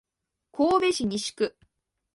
神戸市西区